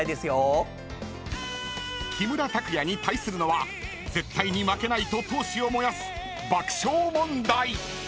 ［木村拓哉に対するのは絶対に負けないと闘志を燃やす爆笑問題］